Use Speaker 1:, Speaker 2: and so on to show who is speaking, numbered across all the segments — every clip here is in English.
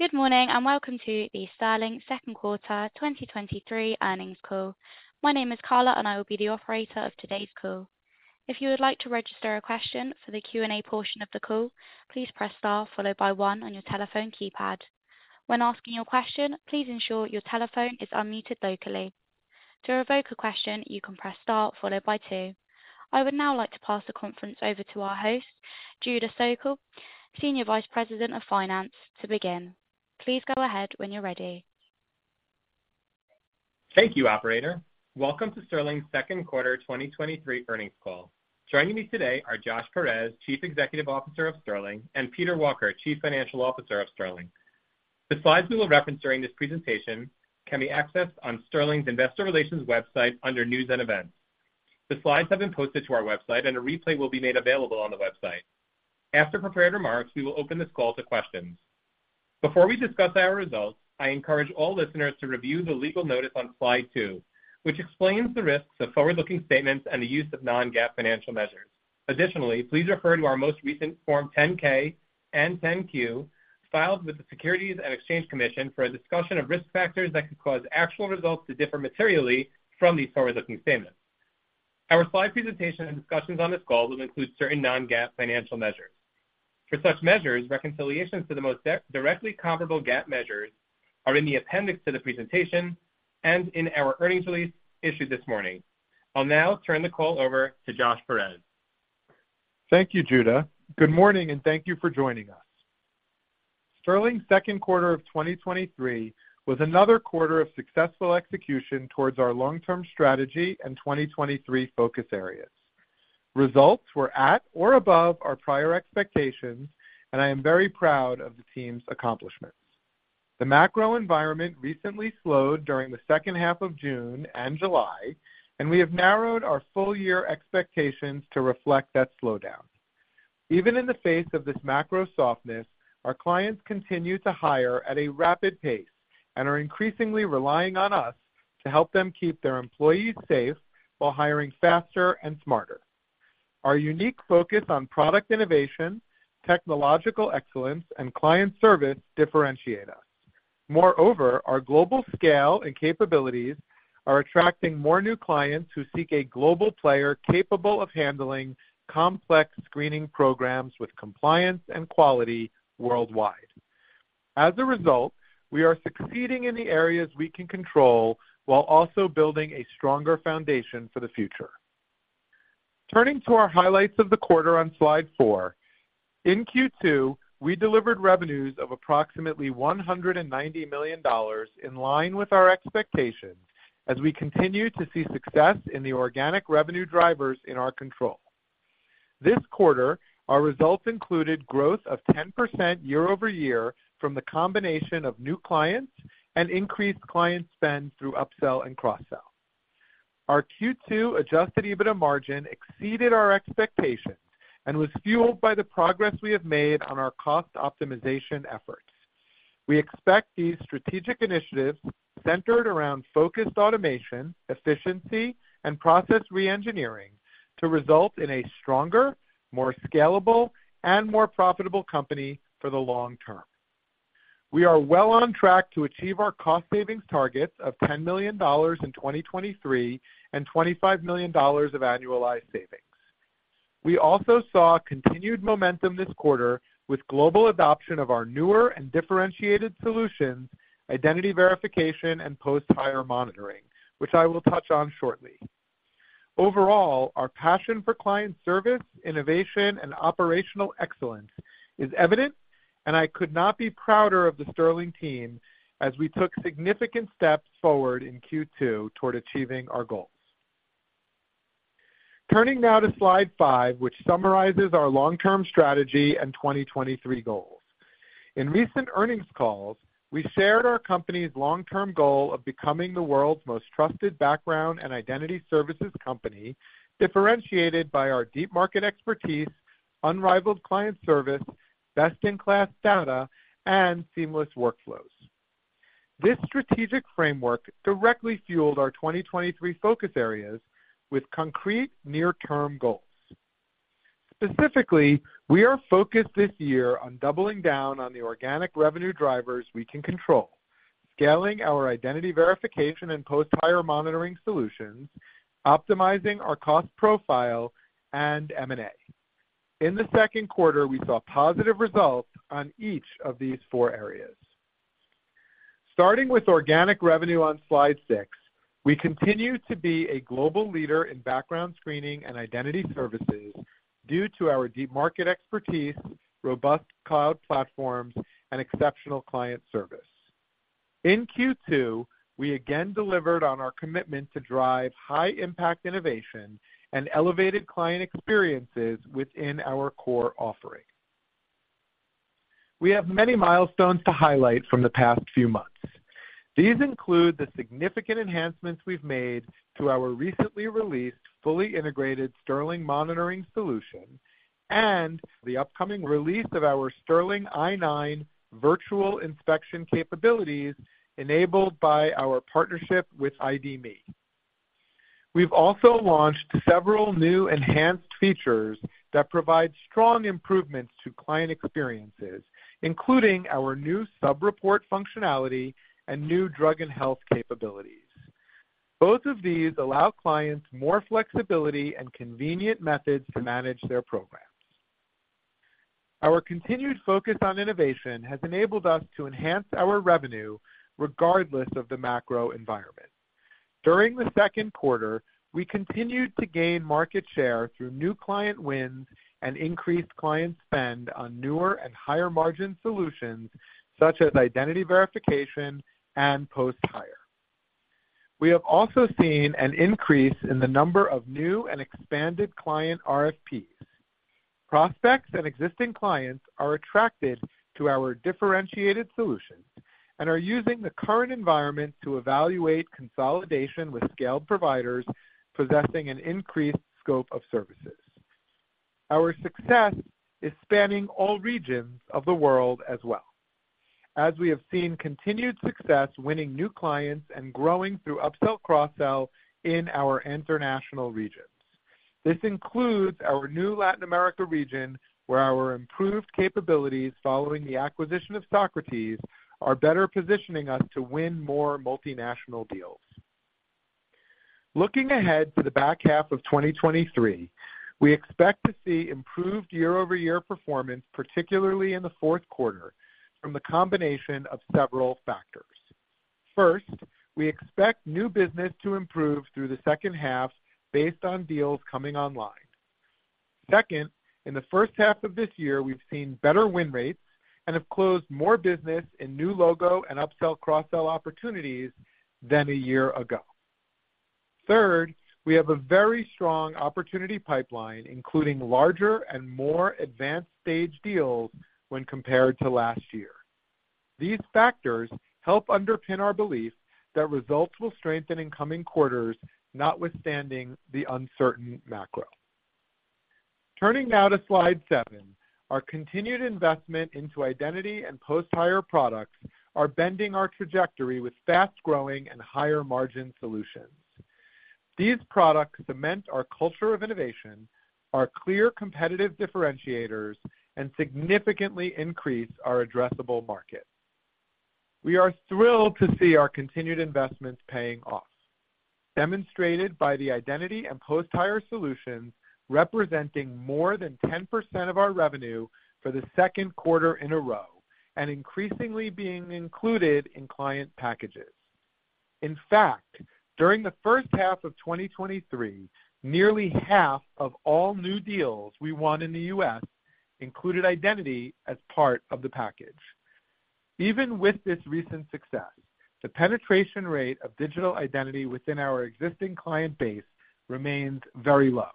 Speaker 1: Good morning, and welcome to the Sterling Second Quarter 2023 earnings call. My name is Carla, and I will be the operator of today's call. If you would like to register a question for the Q&A portion of the call, please press star followed by one on your telephone keypad. When asking your question, please ensure your telephone is unmuted locally. To revoke a question, you can press star followed by two. I would now like to pass the conference over to our host, Judah Sokel, Senior Vice President of Finance, to begin. Please go ahead when you're ready.
Speaker 2: Thank you, operator. Welcome to Sterling's second quarter 2023 earnings call. Joining me today are Josh Peirez, Chief Executive Officer of Sterling, and Peter Walker, Chief Financial Officer of Sterling. The slides we will reference during this presentation can be accessed on Sterling's Investor Relations website under News and Events. The slides have been posted to our website, and a replay will be made available on the website. After prepared remarks, we will open this call to questions. Before we discuss our results, I encourage all listeners to review the legal notice on slide two, which explains the risks of forward-looking statements and the use of non-GAAP financial measures. Additionally, please refer to our most recent Form 10-K and 10-Q, filed with the Securities and Exchange Commission for a discussion of risk factors that could cause actual results to differ materially from these forward-looking statements. Our slide presentation and discussions on this call will include certain non-GAAP financial measures. For such measures, reconciliations to the most directly comparable GAAP measures are in the appendix to the presentation and in our earnings release issued this morning. I'll now turn the call over to Josh Peirez.
Speaker 3: Thank you, Judah. Good morning. Thank you for joining us. Sterling's second quarter of 2023 was another quarter of successful execution towards our long-term strategy and 2023 focus areas. Results were at or above our prior expectations. I am very proud of the team's accomplishments. The macro environment recently slowed during the second half of June and July. We have narrowed our full-year expectations to reflect that slowdown. Even in the face of this macro softness, our clients continue to hire at a rapid pace and are increasingly relying on us to help them keep their employees safe while hiring faster and smarter. Our unique focus on product innovation, technological excellence, and client service differentiate us. Moreover, our global scale and capabilities are attracting more new clients who seek a global player capable of handling complex screening programs with compliance and quality worldwide. As a result, we are succeeding in the areas we can control while also building a stronger foundation for the future. Turning to our highlights of the quarter on slide four, in Q2, we delivered revenues of approximately $190 million, in line with our expectations, as we continue to see success in the organic revenue drivers in our control. This quarter, our results included growth of 10% year-over-year from the combination of new clients and increased client spend through upsell and cross-sell. Our Q2 Adjusted EBITDA margin exceeded our expectations and was fueled by the progress we have made on our cost optimization efforts. We expect these strategic initiatives, centered around focused automation, efficiency, and process reengineering, to result in a stronger, more scalable, and more profitable company for the long term. We are well on track to achieve our cost savings targets of $10 million in 2023 and $25 million of annualized savings. We also saw continued momentum this quarter with global adoption of our newer and differentiated solutions, identity verification and post-hire monitoring, which I will touch on shortly. Overall, our passion for client service, innovation, and operational excellence is evident, and I could not be prouder of the Sterling team as we took significant steps forward in Q2 toward achieving our goals. Turning now to slide five, which summarizes our long-term strategy and 2023 goals. In recent earnings calls, we shared our company's long-term goal of becoming the world's most trusted background and identity services company, differentiated by our deep market expertise, unrivaled client service, best-in-class data, and seamless workflows. This strategic framework directly fueled our 2023 focus areas with concrete near-term goals. Specifically, we are focused this year on doubling down on the organic revenue drivers we can control, scaling our identity verification and post-hire monitoring solutions, optimizing our cost profile, and M&A. In the second quarter, we saw positive results on each of these four areas. Starting with organic revenue on slide six, we continue to be a global leader in background screening and identity services due to our deep market expertise, robust cloud platforms, and exceptional client service. In Q2, we again delivered on our commitment to drive high-impact innovation and elevated client experiences within our core offering. We have many milestones to highlight from the past few months. These include the significant enhancements we've made to our recently released, fully integrated Sterling Monitoring solution and the upcoming release of our Sterling I-9 virtual inspection capabilities, enabled by our partnership with ID.me.... We've also launched several new enhanced features that provide strong improvements to client experiences, including our new sub-report functionality and new drug and health capabilities. Both of these allow clients more flexibility and convenient methods to manage their programs. Our continued focus on innovation has enabled us to enhance our revenue regardless of the macro environment. During the second quarter, we continued to gain market share through new client wins and increased client spend on newer and higher margin solutions such as identity verification and post-hire. We have also seen an increase in the number of new and expanded client RFPs. Prospects and existing clients are attracted to our differentiated solutions and are using the current environment to evaluate consolidation with scaled providers possessing an increased scope of services. Our success is spanning all regions of the world as well, as we have seen continued success winning new clients and growing through upsell, cross-sell in our international regions. This includes our new Latin America region, where our improved capabilities following the acquisition of Socrates, are better positioning us to win more multinational deals. Looking ahead to the back half of 2023, we expect to see improved year-over-year performance, particularly in the fourth quarter, from the combination of several factors. First, we expect new business to improve through the second half based on deals coming online. Second, in the first half of this year, we've seen better win rates and have closed more business in new logo and upsell, cross-sell opportunities than a year ago. Third, we have a very strong opportunity pipeline, including larger and more advanced stage deals when compared to last year. These factors help underpin our belief that results will strengthen in coming quarters, notwithstanding the uncertain macro. Turning now to slide seven. Our continued investment into identity and post-hire products are bending our trajectory with fast-growing and higher-margin solutions. These products cement our culture of innovation, are clear competitive differentiators, and significantly increase our addressable market. We are thrilled to see our continued investments paying off, demonstrated by the identity and post-hire solutions, representing more than 10% of our revenue for the 2Q in a row and increasingly being included in client packages. In fact, during the first half of 2023, nearly half of all new deals we won in the U.S. included identity as part of the package. Even with this recent success, the penetration rate of digital identity within our existing client base remains very low,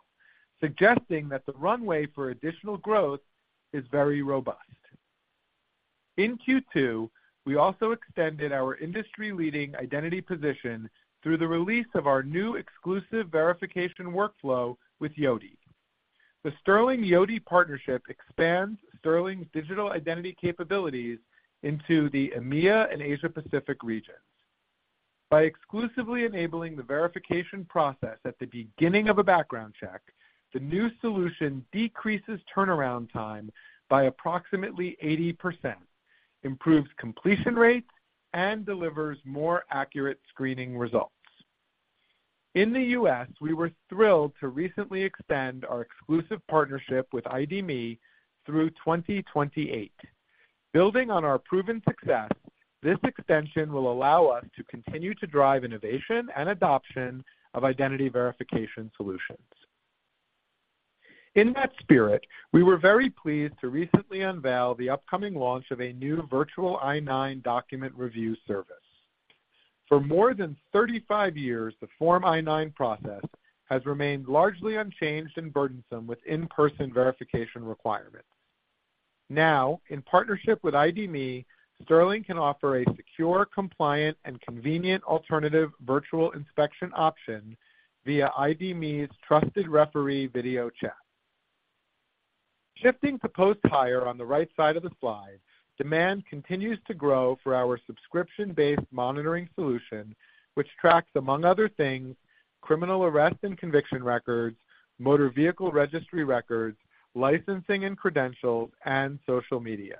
Speaker 3: suggesting that the runway for additional growth is very robust. In Q2, we also extended our industry-leading identity position through the release of our new exclusive verification workflow with Yoti. The Sterling Yoti partnership expands Sterling's digital identity capabilities into the EMEA and Asia Pacific regions. By exclusively enabling the verification process at the beginning of a background check, the new solution decreases turnaround time by approximately 80%, improves completion rates, and delivers more accurate screening results. In the U.S., we were thrilled to recently expand our exclusive partnership with ID.me through 2028. Building on our proven success, this extension will allow us to continue to drive innovation and adoption of identity verification solutions. In that spirit, we were very pleased to recently unveil the upcoming launch of a new virtual I-9 document review service. For more than 35 years, the Form I-9 process has remained largely unchanged and burdensome, with in-person verification requirements. Now, in partnership with ID.me, Sterling can offer a secure, compliant, and convenient alternative virtual inspection option via ID.me's Trusted Referee video chat. Shifting to post-hire on the right side of the slide, demand continues to grow for our subscription-based monitoring solution, which tracks, among other things, criminal arrest and conviction records, motor vehicle registry records, licensing and credentials, and social media.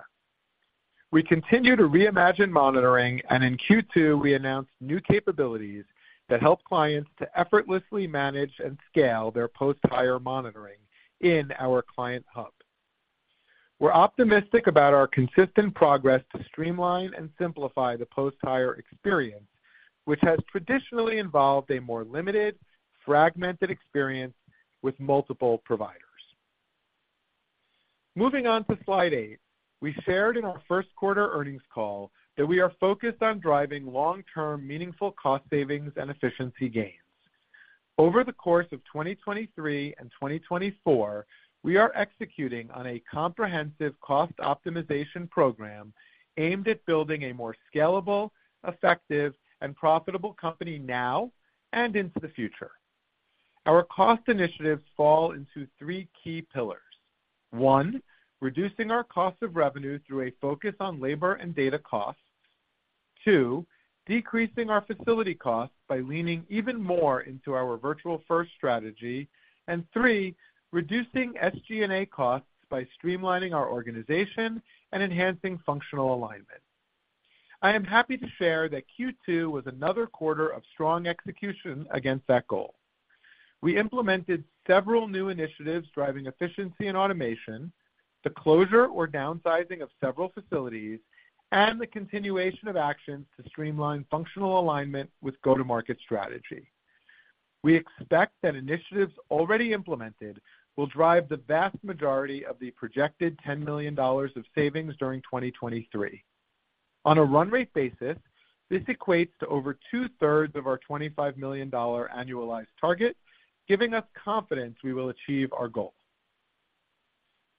Speaker 3: We continue to reimagine monitoring, and in Q2, we announced new capabilities that help clients to effortlessly manage and scale their post-hire monitoring in our Client Hub. We're optimistic about our consistent progress to streamline and simplify the post-hire experience, which has traditionally involved a more limited, fragmented experience with multiple providers. Moving on to slide eight. We shared in our first quarter earnings call that we are focused on driving long-term, meaningful cost savings and efficiency gains. Over the course of 2023 and 2024, we are executing on a comprehensive cost optimization program aimed at building a more scalable, effective, and profitable company now and into the future. Our cost initiatives fall into three key pillars. one, reducing our cost of revenue through a focus on labor and data costs. two, decreasing our facility costs by leaning even more into our virtual-first strategy. three, reducing SG&A costs by streamlining our organization and enhancing functional alignment. I am happy to share that Q2 was another quarter of strong execution against that goal. We implemented several new initiatives driving efficiency and automation, the closure or downsizing of several facilities, and the continuation of actions to streamline functional alignment with go-to-market strategy. We expect that initiatives already implemented will drive the vast majority of the projected $10 million of savings during 2023. On a run rate basis, this equates to over 2/3 of our $25 million annualized target, giving us confidence we will achieve our goal.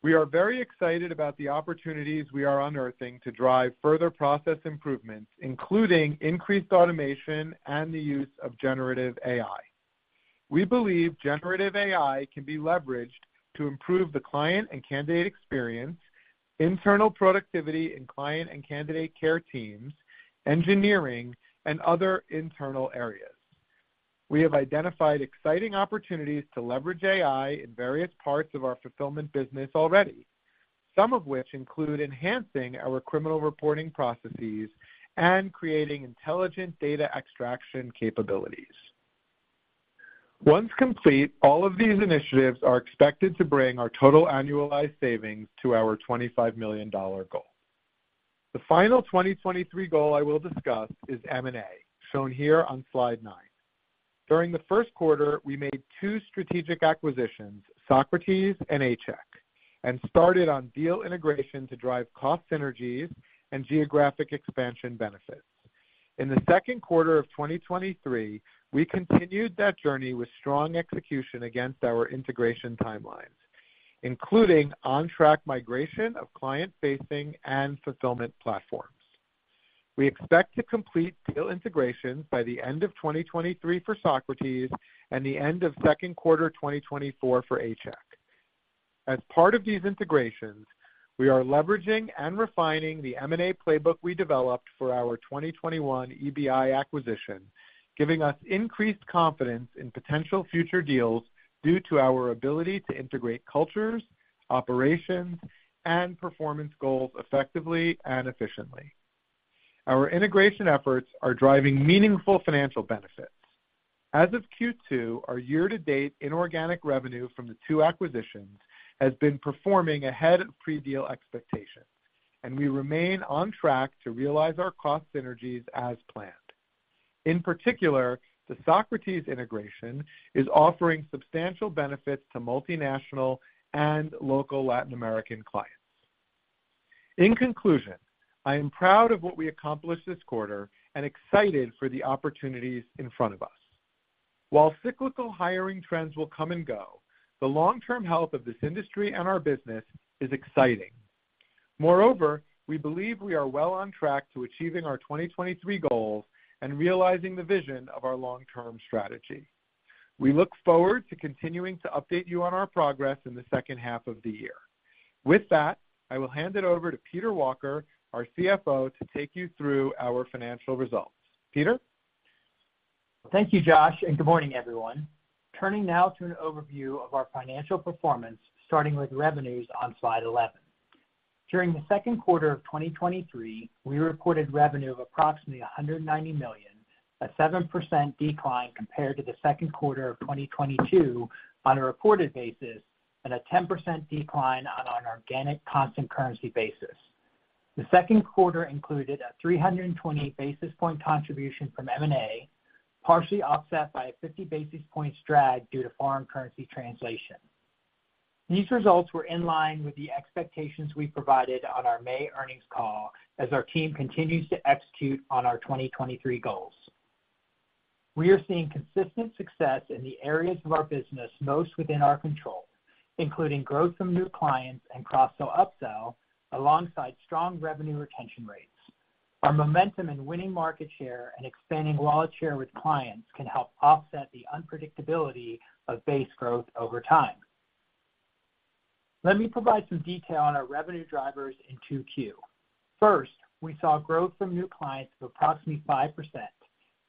Speaker 3: We are very excited about the opportunities we are unearthing to drive further process improvements, including increased automation and the use of generative AI. We believe generative AI can be leveraged to improve the client and candidate experience, internal productivity in client and candidate care teams, engineering, and other internal areas. We have identified exciting opportunities to leverage AI in various parts of our fulfillment business already, some of which include enhancing our criminal reporting processes and creating intelligent data extraction capabilities. Once complete, all of these initiatives are expected to bring our total annualized savings to our $25 million goal. The final 2023 goal I will discuss is M&A, shown here on slide nine. During the first quarter, we made two strategic acquisitions, Socrates and A-Check, and started on deal integration to drive cost synergies and geographic expansion benefits. In the 2nd quarter of 2023, we continued that journey with strong execution against our integration timelines, including on-track migration of client-facing and fulfillment platforms. We expect to complete deal integration by the end of 2023 for Socrates and the end of 2nd quarter 2024 for A-Check. As part of these integrations, we are leveraging and refining the M&A playbook we developed for our 2021 EBI acquisition, giving us increased confidence in potential future deals due to our ability to integrate cultures, operations, and performance goals effectively and efficiently. Our integration efforts are driving meaningful financial benefits. As of Q2, our year-to-date inorganic revenue from the two acquisitions has been performing ahead of pre-deal expectations, and we remain on track to realize our cost synergies as planned. In particular, the Socrates integration is offering substantial benefits to multinational and local Latin American clients. In conclusion, I am proud of what we accomplished this quarter and excited for the opportunities in front of us. While cyclical hiring trends will come and go, the long-term health of this industry and our business is exciting. Moreover, we believe we are well on track to achieving our 2023 goals and realizing the vision of our long-term strategy. We look forward to continuing to update you on our progress in the second half of the year. With that, I will hand it over to Peter Walker, our CFO, to take you through our financial results. Peter?
Speaker 4: Thank you, Josh. Good morning, everyone. Turning now to an overview of our financial performance, starting with revenues on slide 11. During the second quarter of 2023, we reported revenue of approximately $190 million, a 7% decline compared to the second quarter of 2022 on a reported basis, and a 10% decline on an organic constant currency basis. The second quarter included a 320 basis point contribution from M&A, partially offset by a 50 basis points drag due to foreign currency translation. These results were in line with the expectations we provided on our May earnings call as our team continues to execute on our 2023 goals. We are seeing consistent success in the areas of our business most within our control, including growth from new clients and cross-sell, upsell, alongside strong revenue retention rates. Our momentum in winning market share and expanding wallet share with clients can help offset the unpredictability of base growth over time. Let me provide some detail on our revenue drivers in 2Q. First, we saw growth from new clients of approximately 5%,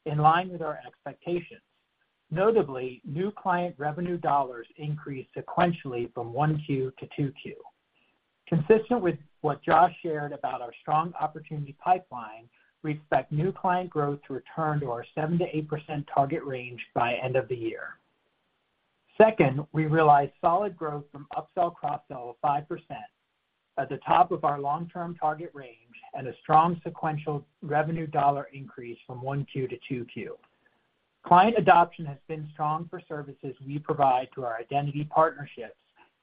Speaker 4: in line with our expectations. Notably, new client revenue dollars increased sequentially from 1Q to 2Q. Consistent with what Josh shared about our strong opportunity pipeline, we expect new client growth to return to our 7%-8% target range by end of the year. Second, we realized solid growth from upsell, cross-sell of 5% at the top of our long-term target range and a strong sequential revenue dollar increase from 1Q to 2Q. Client adoption has been strong for services we provide to our identity partnerships,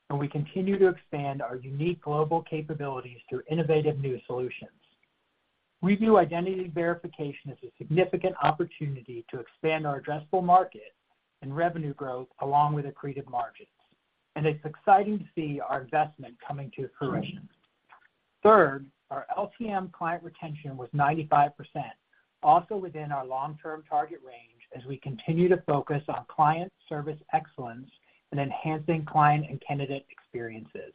Speaker 4: and we continue to expand our unique global capabilities through innovative new solutions. We view identity verification as a significant opportunity to expand our addressable market and revenue growth along with accretive margins. It's exciting to see our investment coming to fruition. Third, our LTM client retention was 95%, also within our long-term target range, as we continue to focus on client service excellence and enhancing client and candidate experiences.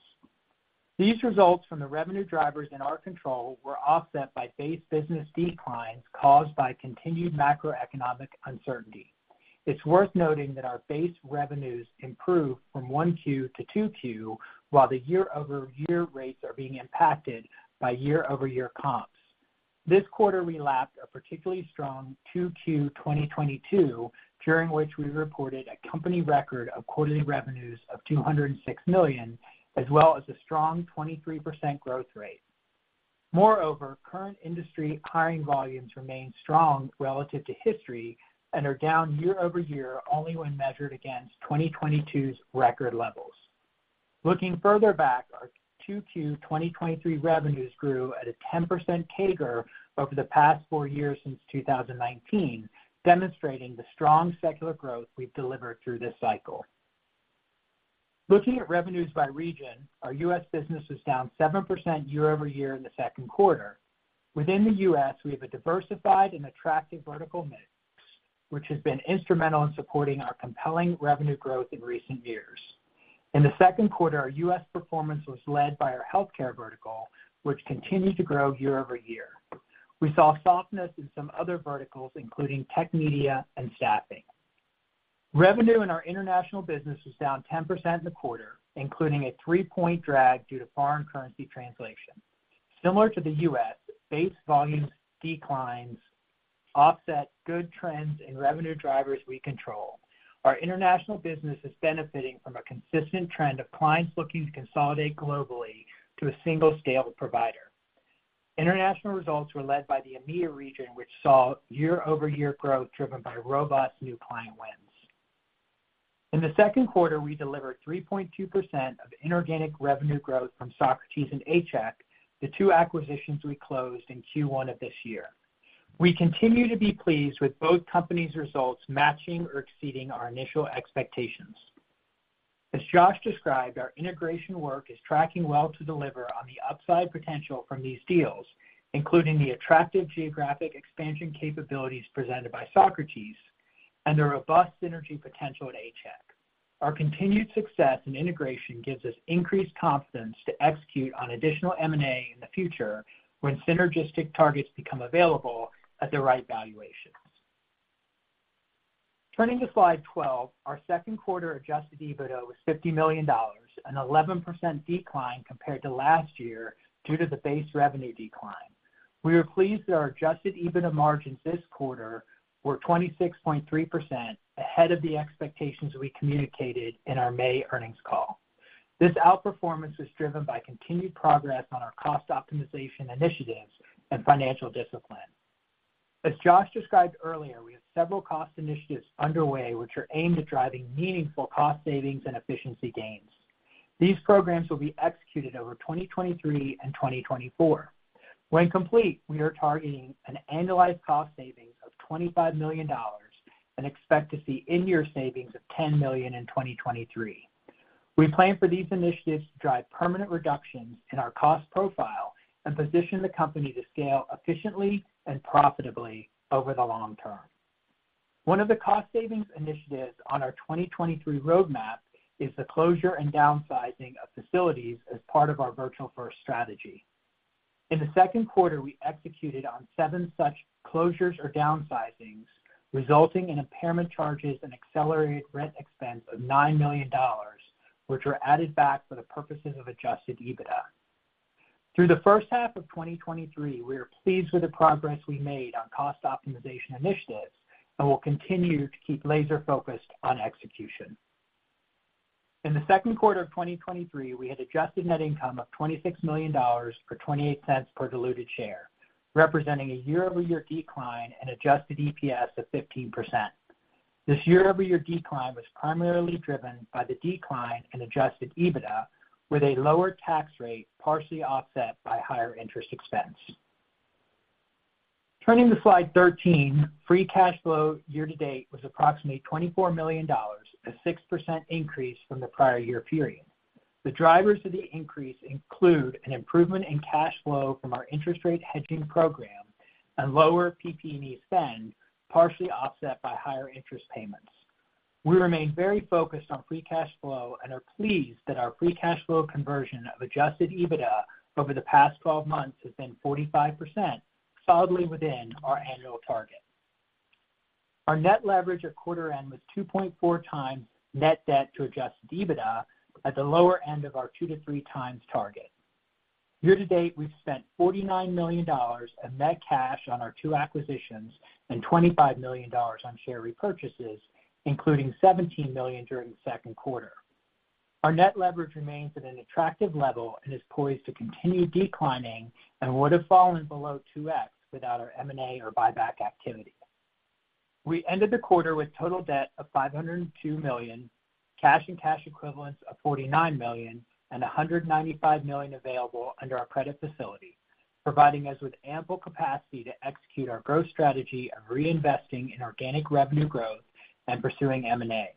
Speaker 4: These results from the revenue drivers in our control were offset by base business declines caused by continued macroeconomic uncertainty. It's worth noting that our base revenues improved from 1Q to 2Q, while the year-over-year rates are being impacted by year-over-year comps. This quarter, we lapped a particularly strong 2Q 2022, during which we reported a company record of quarterly revenues of $206 million, as well as a strong 23% growth rate. Moreover, current industry hiring volumes remain strong relative to history and are down year-over-year only when measured against 2022's record levels. Looking further back, our 2Q 2023 revenues grew at a 10% CAGR over the past four years since 2019, demonstrating the strong secular growth we've delivered through this cycle. Looking at revenues by region, our US business is down 7% year-over-year in the second quarter. Within the US, we have a diversified and attractive vertical mix, which has been instrumental in supporting our compelling revenue growth in recent years. In the second quarter, our US performance was led by our healthcare vertical, which continued to grow year-over-year. We saw softness in some other verticals, including tech media and staffing. Revenue in our international business is down 10% in the quarter, including a three-point drag due to foreign currency translation. Similar to the U.S., base volume declines offset good trends in revenue drivers we control. Our international business is benefiting from a consistent trend of clients looking to consolidate globally to a single scalable provider. International results were led by the EMEA region, which saw year-over-year growth driven by robust new client wins. In the second quarter, we delivered 3.2% of inorganic revenue growth from Socrates and A-Check, the two acquisitions we closed in Q1 of this year. We continue to be pleased with both companies' results matching or exceeding our initial expectations. As Josh described, our integration work is tracking well to deliver on the upside potential from these deals, including the attractive geographic expansion capabilities presented by Socrates and the robust synergy potential at A-Check. Our continued success in integration gives us increased confidence to execute on additional M&A in the future when synergistic targets become available at the right valuations. Turning to slide 12, our second quarter Adjusted EBITDA was $50 million, an 11% decline compared to last year due to the base revenue decline. We are pleased that our Adjusted EBITDA margins this quarter were 26.3%, ahead of the expectations we communicated in our May earnings call. This outperformance was driven by continued progress on our cost optimization initiatives and financial discipline. As Josh described earlier, we have several cost initiatives underway, which are aimed at driving meaningful cost savings and efficiency gains. These programs will be executed over 2023 and 2024. When complete, we are targeting an annualized cost savings of $25 million and expect to see in-year savings of $10 million in 2023. We plan for these initiatives to drive permanent reductions in our cost profile and position the company to scale efficiently and profitably over the long term. One of the cost savings initiatives on our 2023 roadmap is the closure and downsizing of facilities as part of our virtual-first strategy. In the second quarter, we executed on seven such closures or downsizings, resulting in impairment charges and accelerated rent expense of $9 million, which were added back for the purposes of Adjusted EBITDA. Through the first half of 2023, we are pleased with the progress we made on cost optimization initiatives and will continue to keep laser-focused on execution. In the second quarter of 2023, we had Adjusted Net Income of $26 million, or $0.28 per diluted share, representing a year-over-year decline in adjusted EPS of 15%. This year-over-year decline was primarily driven by the decline in Adjusted EBITDA, with a lower tax rate partially offset by higher interest expense. Turning to slide 13, free cash flow year to date was approximately $24 million, a 6% increase from the prior year period. The drivers of the increase include an improvement in cash flow from our interest rate hedging program and lower PP&E spend, partially offset by higher interest payments. We remain very focused on free cash flow and are pleased that our free cash flow conversion of Adjusted EBITDA over the past 12 months has been 45%, solidly within our annual target. Our net leverage at quarter end was 2.4 times net debt to Adjusted EBITDA at the lower end of our two-three times target. Year to date, we've spent $49 million of net cash on our two acquisitions and $25 million on share repurchases, including $17 million during the second quarter. Our net leverage remains at an attractive level and is poised to continue declining and would have fallen below 2x without our M&A or buyback activity. We ended the quarter with total debt of $502 million, cash and cash equivalents of $49 million, and $195 million available under our credit facility, providing us with ample capacity to execute our growth strategy of reinvesting in organic revenue growth and pursuing M&A.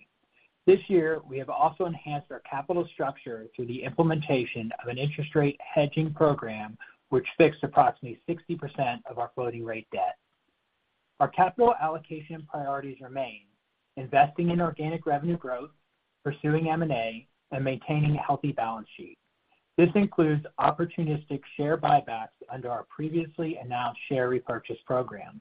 Speaker 4: This year, we have also enhanced our capital structure through the implementation of an interest rate hedging program, which fixed approximately 60% of our floating rate debt. Our capital allocation priorities remain: investing in organic revenue growth, pursuing M&A, and maintaining a healthy balance sheet. This includes opportunistic share buybacks under our previously announced share repurchase program.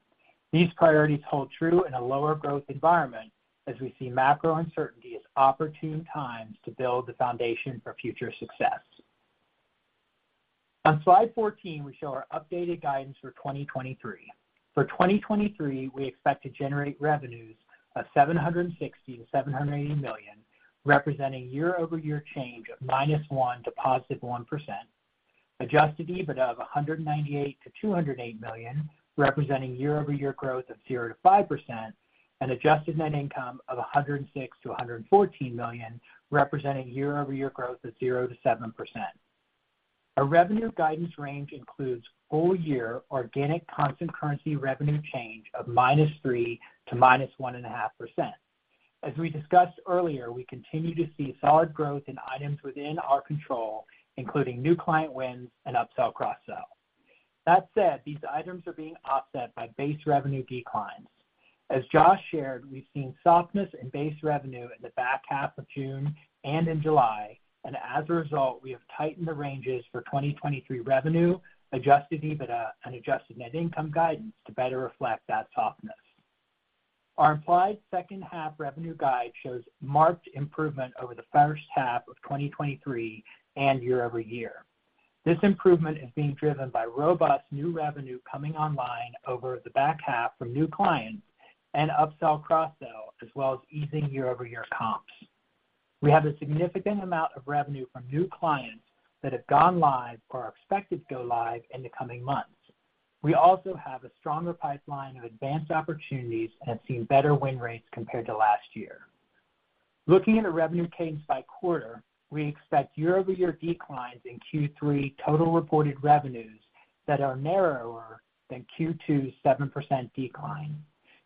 Speaker 4: These priorities hold true in a lower growth environment, as we see macro uncertainty as opportune times to build the foundation for future success. On slide 14, we show our updated guidance for 2023. For 2023, we expect to generate revenues of $760 million-$780 million, representing year-over-year change of -1% to +1%. Adjusted EBITDA of $198 million-$208 million, representing year-over-year growth of 0%-5%, and Adjusted Net Income of $106 million-$114 million, representing year-over-year growth of 0%-7%. Our revenue guidance range includes full year organic constant currency revenue change of -3% to -1.5%. As we discussed earlier, we continue to see solid growth in items within our control, including new client wins and upsell cross-sell. That said, these items are being offset by base revenue declines. As Josh shared, we've seen softness in base revenue in the back half of June and in July, and as a result, we have tightened the ranges for 2023 revenue, Adjusted EBITDA, and Adjusted Net Income guidance to better reflect that softness. Our implied second half revenue guide shows marked improvement over the first half of 2023 and year-over-year. This improvement is being driven by robust new revenue coming online over the back half from new clients and upsell cross-sell, as well as easing year-over-year comps. We have a significant amount of revenue from new clients that have gone live or are expected to go live in the coming months. We also have a stronger pipeline of advanced opportunities and have seen better win rates compared to last year. Looking at a revenue cadence by quarter, we expect year-over-year declines in Q3 total reported revenues that are narrower than Q2's 7% decline.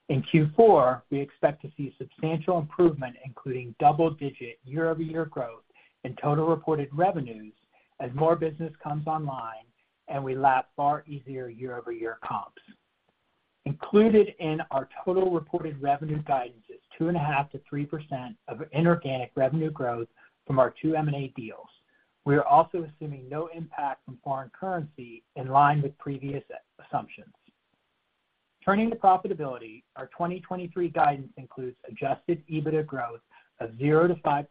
Speaker 4: In Q4, we expect to see substantial improvement, including double-digit year-over-year growth in total reported revenues as more business comes online and we lap far easier year-over-year comps. Included in our total reported revenue guidance is 2.5%-3% of inorganic revenue growth from our two M&A deals. We are also assuming no impact from foreign currency in line with previous assumptions. Turning to profitability, our 2023 guidance includes Adjusted EBITDA growth of 0%-5%.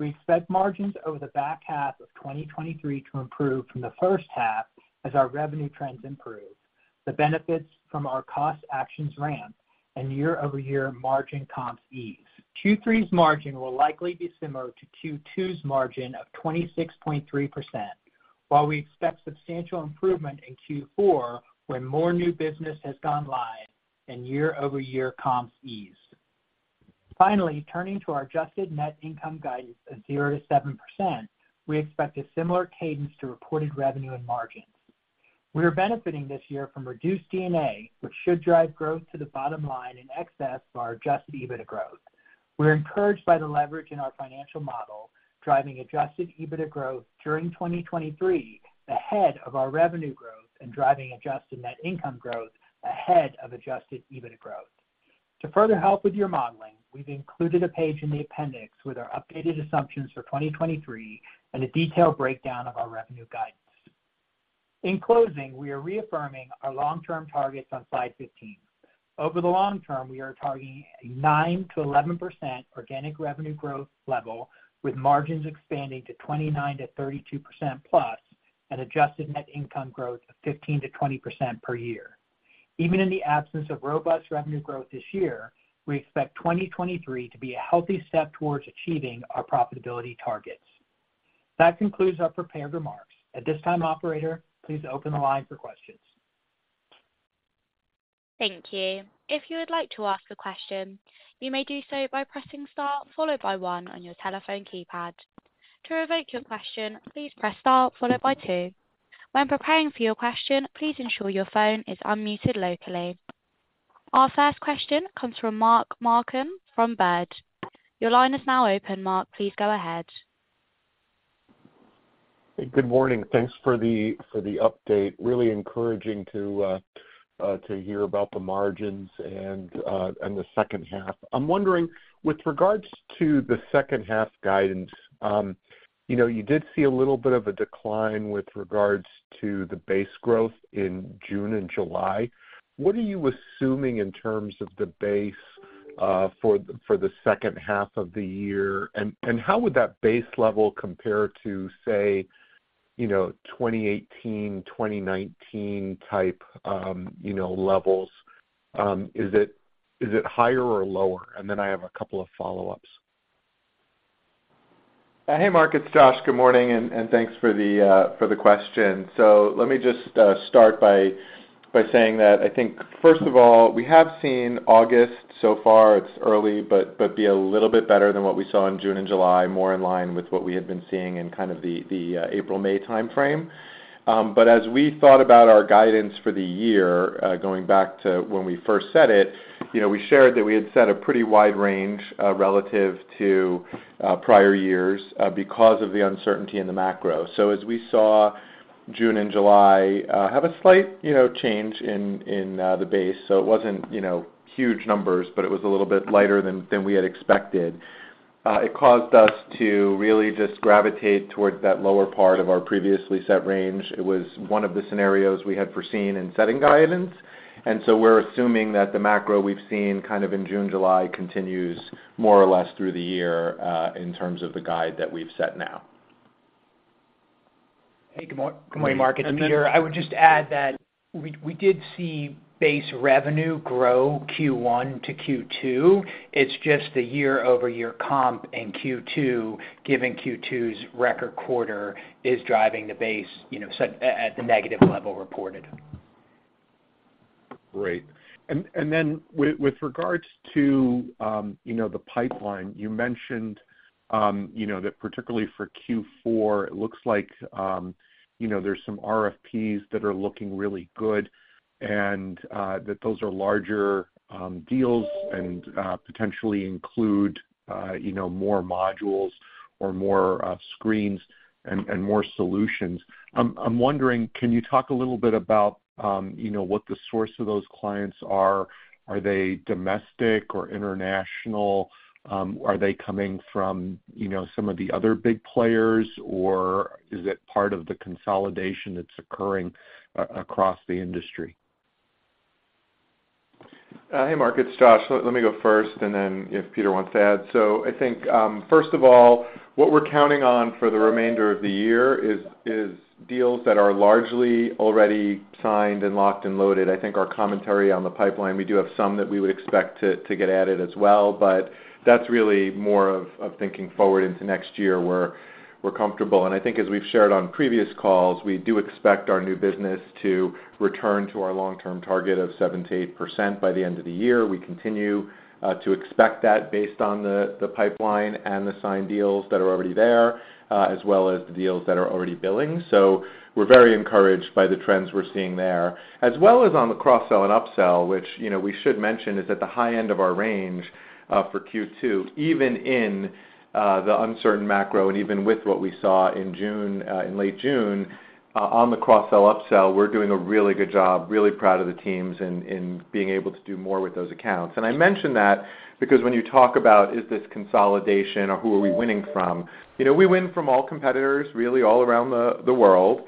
Speaker 4: We expect margins over the back half of 2023 to improve from the first half as our revenue trends improve, the benefits from our cost actions ramp, and year-over-year margin comps ease. Q3's margin will likely be similar to Q2's margin of 26.3%, while we expect substantial improvement in Q4, when more new business has gone live and year-over-year comps ease. Finally, turning to our Adjusted Net Income guidance of 0%-7%, we expect a similar cadence to reported revenue and margins. We are benefiting this year from reduced D&A, which should drive growth to the bottom line in excess of our Adjusted EBITDA growth. We're encouraged by the leverage in our financial model, driving Adjusted EBITDA growth during 2023 ahead of our revenue growth, and driving Adjusted Net Income growth ahead of Adjusted EBITDA growth. To further help with your modeling, we've included a page in the appendix with our updated assumptions for 2023 and a detailed breakdown of our revenue guidance. In closing, we are reaffirming our long-term targets on slide 15. Over the long term, we are targeting a 9%-11% organic revenue growth level, with margins expanding to 29%-32%+ and Adjusted Net Income growth of 15%-20% per year. Even in the absence of robust revenue growth this year, we expect 2023 to be a healthy step towards achieving our profitability targets. That concludes our prepared remarks. At this time, operator, please open the line for questions.
Speaker 1: Thank you. If you would like to ask a question, you may do so by pressing star followed by one on your telephone keypad. To revoke your question, please press star followed by two. When preparing for your question, please ensure your phone is unmuted locally. Our first question comes from Mark Marcon from Baird. Your line is now open, Mark. Please go ahead.
Speaker 5: Hey, good morning. Thanks for the, for the update. Really encouraging to hear about the margins and the second half. I'm wondering, with regards to the second half guidance, you know, you did see a little bit of a decline with regards to the base growth in June and July. What are you assuming in terms of the base for the, for the second half of the year? How would that base level compare to, say, you know, 2018, 2019 type, you know, levels? Is it, is it higher or lower? Then I have a couple of follow-ups.
Speaker 3: Hey, Mark, it's Josh. Good morning, and, and thanks for the, for the question. Let me just, start by, by saying that I think, first of all, we have seen August so far, it's early, but, but be a little bit better than what we saw in June and July, more in line with what we had been seeing in kind of the, the, April-May timeframe. As we thought about our guidance for the year, going back to when we first said it-... you know, we shared that we had set a pretty wide range, relative to prior years, because of the uncertainty in the macro. As we saw June and July, have a slight, you know, change in the base. It wasn't, you know, huge numbers, but it was a little bit lighter than we had expected. It caused us to really just gravitate towards that lower part of our previously set range. It was one of the scenarios we had foreseen in setting guidance, and so we're assuming that the macro we've seen kind of in June, July, continues more or less through the year, in terms of the guide that we've set now.
Speaker 4: Hey, good morning, Mark. It's Peter. I would just add that we, we did see base revenue grow Q1 to Q2. It's just the year-over-year comp in Q2, given Q2's record quarter, is driving the base, you know, so at, at the negative level reported.
Speaker 5: Great. Then with regards to, you know, the pipeline, you mentioned, you know, that particularly for Q4, it looks like, you know, there's some RFPs that are looking really good and that those are larger deals and potentially include, you know, more modules or more screens and more solutions. I'm wondering, can you talk a little bit about, you know, what the source of those clients are? Are they domestic or international? Are they coming from, you know, some of the other big players, or is it part of the consolidation that's occurring across the industry?
Speaker 3: Hey, Mark, it's Josh. Let, let me go first, and then if Peter wants to add. First of all, what we're counting on for the remainder of the year is deals that are largely already signed and locked and loaded. I think our commentary on the pipeline, we do have some that we would expect to get added as well, but that's really more of thinking forward into next year, where we're comfortable. As we've shared on previous calls, we do expect our new business to return to our long-term target of 78% by the end of the year. We continue to expect that based on the pipeline and the signed deals that are already there, as well as the deals that are already billing. We're very encouraged by the trends we're seeing there, as well as on the cross-sell and up-sell, which, you know, we should mention is at the high end of our range for Q2, even in the uncertain macro and even with what we saw in June, in late June, on the cross-sell, up-sell, we're doing a really good job. Really proud of the teams in, in being able to do more with those accounts. I mention that because when you talk about, is this consolidation or who are we winning from? You know, we win from all competitors, really, all around the, the world.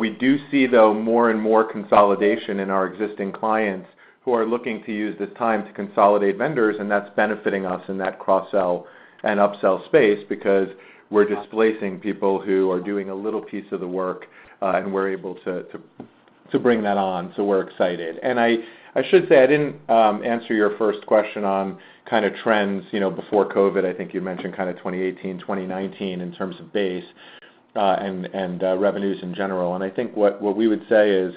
Speaker 3: We do see, though, more and more consolidation in our existing clients who are looking to use this time to consolidate vendors, and that's benefiting us in that cross-sell and up-sell space, because we're displacing people who are doing a little piece of the work, and we're able to, to, to bring that on. We're excited. I, I should say, I didn't answer your first question on kind of trends, you know, before COVID. I think you mentioned kind of 2018, 2019 in terms of base, and, and, revenues in general. I think what, what we would say is,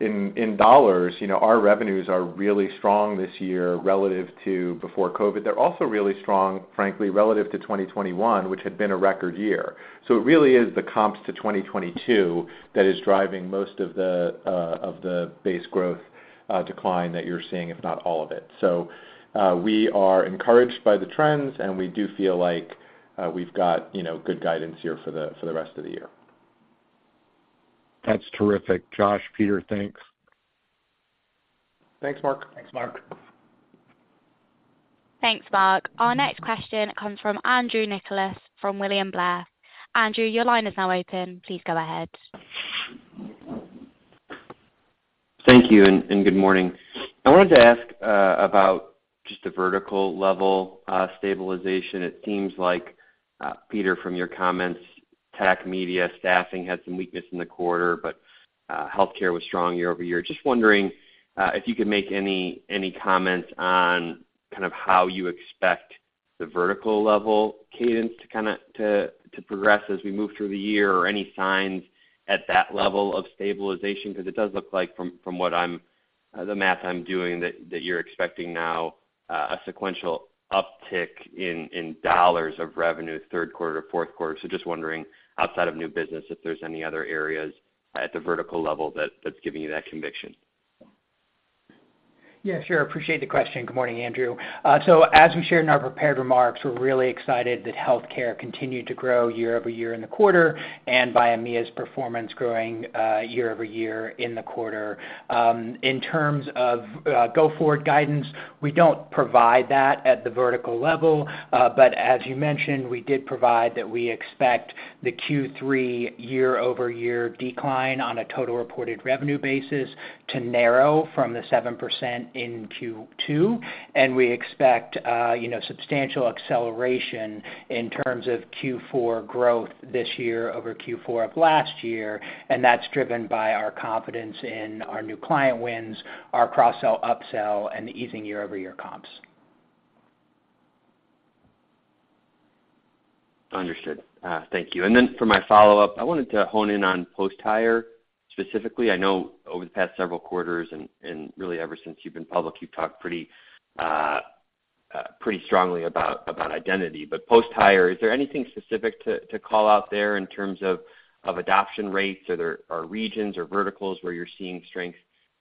Speaker 3: in, in dollars, you know, our revenues are really strong this year relative to before COVID. They're also really strong, frankly, relative to 2021, which had been a record year. It really is the comps to 2022 that is driving most of the of the base growth decline that you're seeing, if not all of it. We are encouraged by the trends, and we do feel like we've got, you know, good guidance here for the for the rest of the year.
Speaker 5: That's terrific, Josh. Peter, thanks.
Speaker 4: Thanks, Mark.
Speaker 3: Thanks, Mark.
Speaker 1: Thanks, Mark. Our next question comes from Andrew Nicholas, from William Blair. Andrew, your line is now open. Please go ahead.
Speaker 6: Thank you, and good morning. I wanted to ask about just the vertical level stabilization. It seems like Peter, from your comments, tech, media, staffing had some weakness in the quarter, but healthcare was strong year-over-year. Just wondering if you could make any comments on kind of how you expect the vertical level cadence to kinda progress as we move through the year, or any signs at that level of stabilization? Because it does look like from what I'm the math I'm doing, that you're expecting now a sequential uptick in dollars of revenue, third quarter, fourth quarter. Just wondering, outside of new business, if there's any other areas at the vertical level that's giving you that conviction.
Speaker 4: Yeah, sure. Appreciate the question. Good morning, Andrew. As we shared in our prepared remarks, we're really excited that healthcare continued to grow year-over-year in the quarter and by EMEA's performance growing year-over-year in the quarter. In terms of go-forward guidance, we don't provide that at the vertical level, as you mentioned, we did provide that we expect the Q3 year-over-year decline on a total reported revenue basis to narrow from the 7% in Q2. We expect, you know, substantial acceleration in terms of Q4 growth this year over Q4 of last year, and that's driven by our confidence in our new client wins, our cross-sell, up-sell, and the easing year-over-year comps.
Speaker 6: Understood. Thank you. Then for my follow-up, I wanted to hone in on post-hire specifically. I know over the past several quarters and, and really ever since you've been public, you've talked pretty, pretty strongly about, about identity. Post-hire, is there anything specific to, to call out there in terms of, of adoption rates? Are there are regions or verticals where you're seeing strength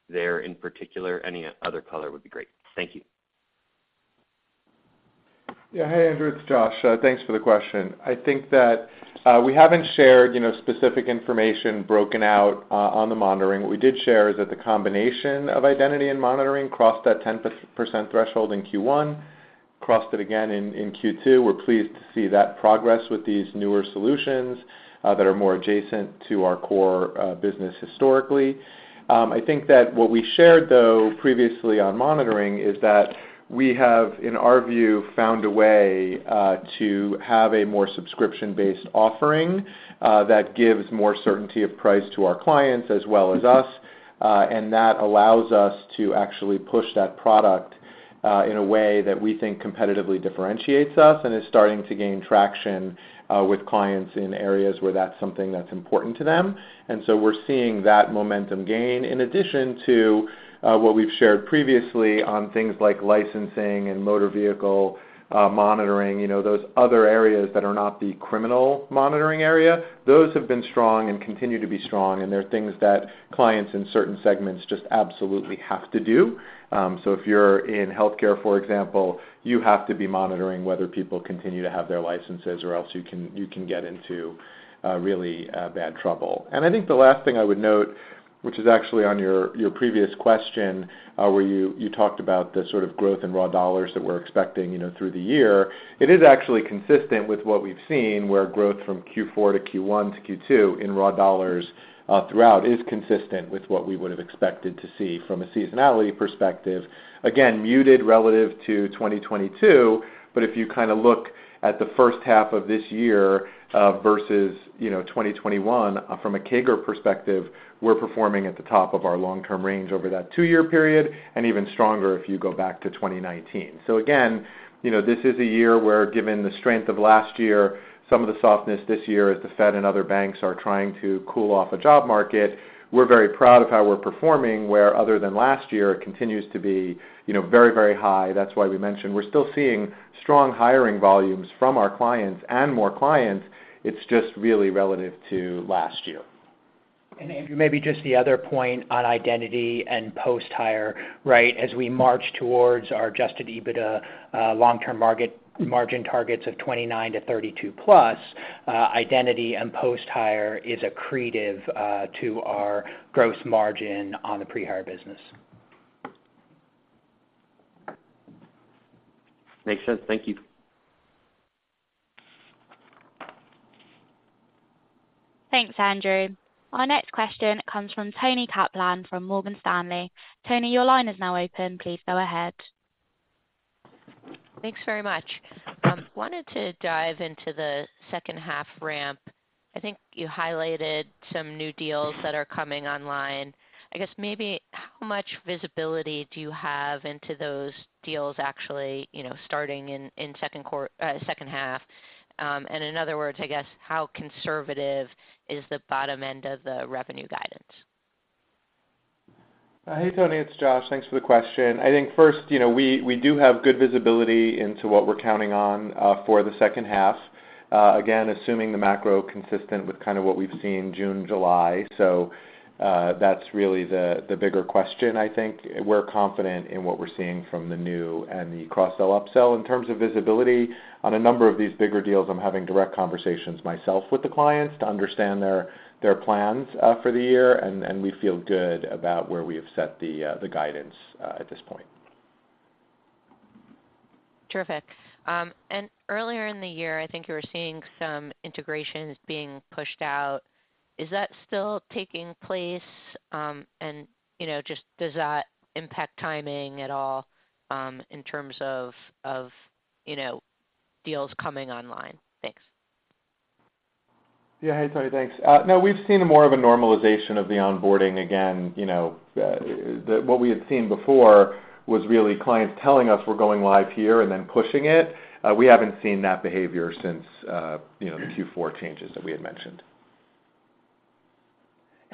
Speaker 6: there in particular? Any other color would be great. Thank you.
Speaker 3: Yeah. Hey, Andrew, it's Josh. Thanks for the question. I think that we haven't shared, you know, specific information broken out on the monitoring. What we did share is that the combination of identity and monitoring crossed that 10% threshold in Q1, crossed it again in Q2. We're pleased to see that progress with these newer solutions that are more adjacent to our core business historically. I think that what we shared, though, previously on monitoring, is that we have, in our view, found a way to have a more subscription-based offering that gives more certainty of price to our clients as well as us. That allows us to actually push that product in a way that we think competitively differentiates us and is starting to gain traction with clients in areas where that's something that's important to them. We're seeing that momentum gain, in addition to what we've shared previously on things like licensing and motor vehicle monitoring, you know, those other areas that are not the criminal monitoring area. Those have been strong and continue to be strong, and they're things that clients in certain segments just absolutely have to do. If you're in healthcare, for example, you have to be monitoring whether people continue to have their licenses or else you can, you can get into really bad trouble. I think the last thing I would note, which is actually on your, your previous question, where you, you talked about the sort of growth in raw dollars that we're expecting, you know, through the year. It is actually consistent with what we've seen, where growth from Q4 to Q1 to Q2 in raw dollars, throughout is consistent with what we would have expected to see from a seasonality perspective. Again, muted relative to 2022, but if you kind of look at the first half of this year, versus, you know, 2021 from a CAGR perspective, we're performing at the top of our long-term range over that two-year period, and even stronger if you go back to 2019. Again, you know, this is a year where, given the strength of last year, some of the softness this year as the Fed and other banks are trying to cool off the job market, we're very proud of how we're performing, where other than last year, it continues to be, you know, very, very high. That's why we mentioned we're still seeing strong hiring volumes from our clients and more clients. It's just really relative to last year.
Speaker 4: Andrew, maybe just the other point on identity and post-hire, right? As we march towards our Adjusted EBITDA long-term margin targets of 29%-32%+, identity and post-hire is accretive to our gross margin on the pre-hire business.
Speaker 6: Makes sense. Thank you.
Speaker 1: Thanks, Andrew. Our next question comes from Toni Kaplan from Morgan Stanley. Toni, your line is now open. Please go ahead.
Speaker 7: Thanks very much. Wanted to dive into the second half ramp. I think you highlighted some new deals that are coming online. I guess maybe, how much visibility do you have into those deals actually, you know, starting in second half? In other words, I guess, how conservative is the bottom end of the revenue guidance?
Speaker 3: Hey, Toni, it's Josh. Thanks for the question. I think first, you know, we, we do have good visibility into what we're counting on for the second half. Again, assuming the macro consistent with kind of what we've seen June, July. That's really the bigger question, I think. We're confident in what we're seeing from the new and the cross-sell/upsell. In terms of visibility, on a number of these bigger deals, I'm having direct conversations myself with the clients to understand their, their plans for the year, and we feel good about where we have set the guidance at this point.
Speaker 7: Terrific. Earlier in the year, I think you were seeing some integrations being pushed out. Is that still taking place? You know, just does that impact timing at all, in terms of, of, you know, deals coming online? Thanks.
Speaker 3: Yeah. Hey, Toni, thanks. No, we've seen more of a normalization of the onboarding. Again, you know, what we had seen before was really clients telling us we're going live here and then pushing it. We haven't seen that behavior since, you know, the Q4 changes that we had mentioned.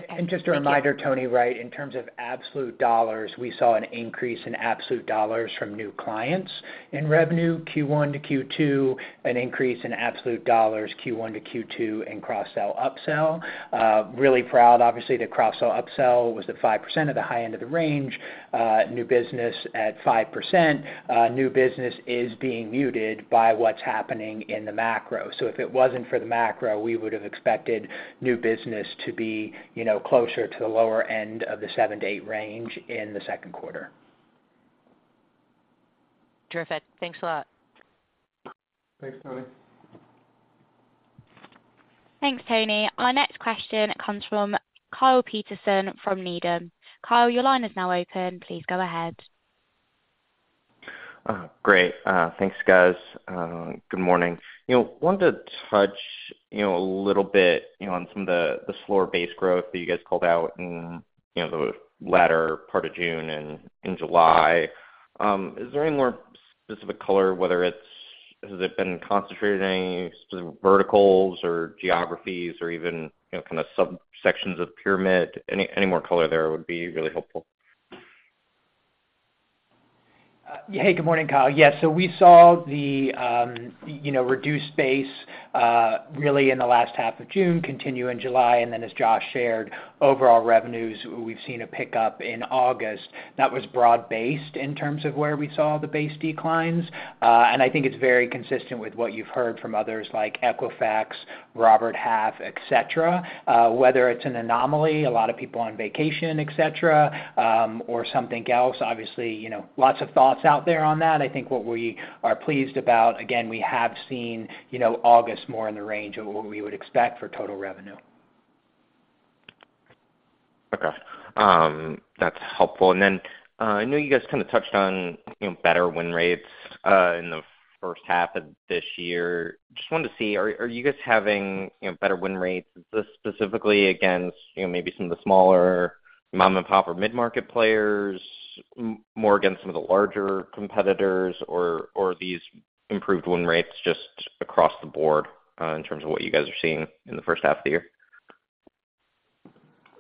Speaker 7: Okay, thank you.
Speaker 4: Just a reminder, Toni, right, in terms of absolute dollars, we saw an increase in absolute dollars from new clients in revenue Q1 to Q2, an increase in absolute dollars Q1 to Q2 in cross-sell/upsell. Really proud, obviously, that cross-sell/upsell was at 5% of the high end of the range, new business at 5%. New business is being muted by what's happening in the macro. If it wasn't for the macro, we would have expected new business to be, you know, closer to the lower end of the seven-eight range in the second quarter.
Speaker 7: Terrific. Thanks a lot.
Speaker 3: Thanks, Toni.
Speaker 1: Thanks, Toni. Our next question comes from Kyle Peterson from Needham. Kyle, your line is now open. Please go ahead.
Speaker 8: Great. Thanks, guys. Good morning. You know, wanted to touch, you know, a little bit, you know, on some of the, the slower base growth that you guys called out in, you know, the latter part of June and in July. Is there any more specific color, whether it's-...? Has it been concentrated in any specific verticals or geographies or even, you know, kind of sub sections of the pyramid? Any, any more color there would be really helpful.
Speaker 4: Hey, good morning, Kyle. Yes, we saw the, you know, reduced base, really in the last half of June, continue in July, and then as Josh shared, overall revenues, we've seen a pickup in August. That was broad-based in terms of where we saw the base declines. I think it's very consistent with what you've heard from others like Equifax, Robert Half, et cetera. Whether it's an anomaly, a lot of people on vacation, et cetera, or something else, obviously, you know, lots of thoughts out there on that. I think what we are pleased about, again, we have seen, you know, August more in the range of what we would expect for total revenue.
Speaker 8: Okay. That's helpful. Then, I know you guys kind of touched on, you know, better win rates, in the first half of this year. Just wanted to see, are you guys having, you know, better win rates, this specifically against, you know, maybe some of the smaller mom-and-pop or mid-market players, more against some of the larger competitors, or these improved win rates just across the board, in terms of what you guys are seeing in the first half of the year?